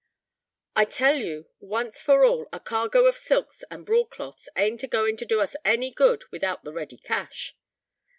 "I tell you, once for all, a cargo of silks and broadcloths aint a going to do us any good without the ready cash."